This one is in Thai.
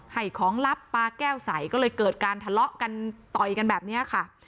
ให้ของลับปลาแก้วใสก็เลยเกิดการทะเลาะกันต่อยกันแบบนี้ค่ะ